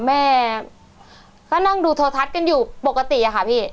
แม่ก็นั่งดูโทรทัศน์กันอยู่ปกติอะค่ะพี่